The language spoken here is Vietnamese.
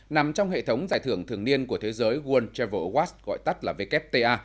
nằm trong hệ thống giải thưởng thường niên của thế giới world travel awards gọi tắt là wta